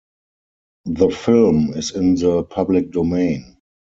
The film is in the public domain.